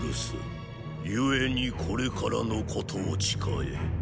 故にこれからのことを誓え。